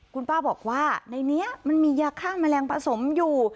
คุณป้าบอกว่าในนี้มันมียาฆ่าแมลงผสมอยู่